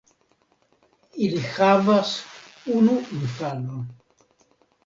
Ili havas unu infanon.